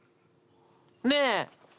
ねえ？